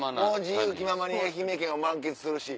自由気ままに愛媛県を満喫するし。